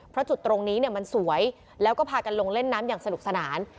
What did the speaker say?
เพราะจุดตรงนี้มันสวยแล้วก็พากันลงเล่นน้ำอย่างสนุกสนาน